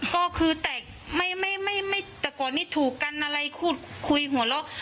ก็คือแต่ก่อนนี้ถูกกันอะไรคุยหัวเราะ